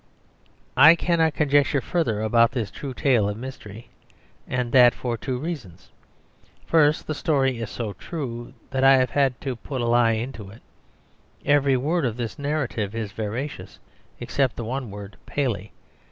I cannot conjecture further about this true tale of mystery; and that for two reasons. First, the story is so true that I have had to put a lie into it. Every word of this narrative is veracious, except the one word Paley.